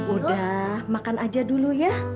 udah makan aja dulu ya